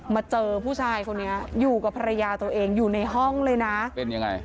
มาเจอผู้ชายคนนี้อยู่กับภรรยาตัวเองอยู่ในห้องเลยนะเป็นยังไง